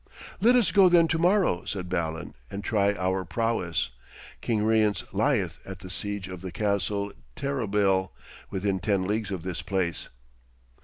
'Let us go then to morrow,' said Balan, 'and try our prowess. King Rience lieth at the siege of the castle Terabil, within ten leagues of this place.'